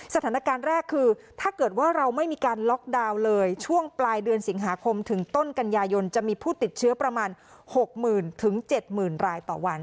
สถานการณ์แรกคือถ้าเกิดว่าเราไม่มีการล็อกดาวน์เลยช่วงปลายเดือนสิงหาคมถึงต้นกันยายนจะมีผู้ติดเชื้อประมาณ๖๐๐๐๗๐๐รายต่อวัน